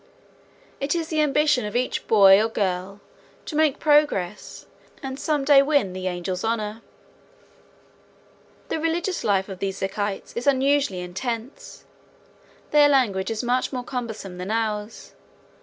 It is the ambition of each boy or girl to make progress and some day win the "Angel's Honor." The religious life of these Zikites is unusually intense. Their language is much more cumbersome than ours.